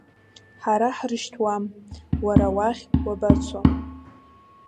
Ҳара ҳрышьҭуам, уара уахь уабацо?!